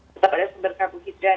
tetap ada sumber karbohidrat